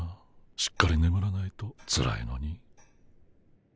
しっかりねむらないとつらいのに。